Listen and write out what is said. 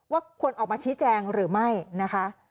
ควรออกมาชี้แจงหรือไม่นะคะ